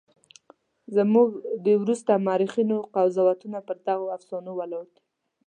زموږ د وروسته مورخینو قضاوتونه پر دغو افسانو ولاړ دي.